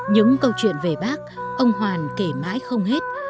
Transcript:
những câu chuyện về bác ông hoàn kể mãi không hết